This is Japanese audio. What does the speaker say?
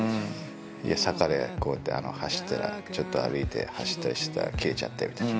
「いや坂でこうやって走ったらちょっと歩いて走ったりしてたら切れちゃって」みたいな。